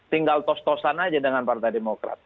tinggal tos tosan aja dengan partai demokrat